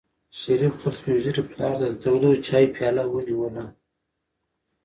شریف خپل سپین ږیري پلار ته د تودو چایو پیاله ونیوله.